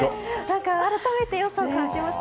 改めて良さを感じました。